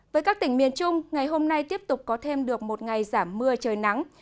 với các tỉnh miền trung ngày hôm nay tiếp tục có thêm được một ngày giảm mưa trời nắng